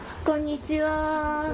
こんにちは。